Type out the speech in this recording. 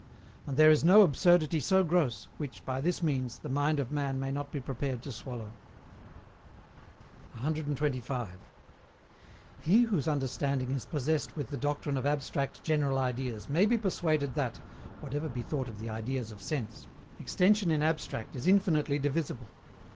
And there is no absurdity so gross, which, by this means, the mind of man may not be prepared to swallow. 125. He whose understanding is possessed with the doctrine of abstract general ideas may be persuaded that (whatever be thought of the ideas of sense) extension in abstract is infinitely divisible.